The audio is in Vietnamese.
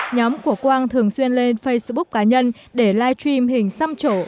nhóm của quang thường xuyên lên facebook cá nhân để live stream hình xăm trổ